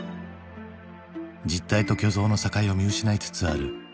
実体と虚像の境を見失いつつある国際都市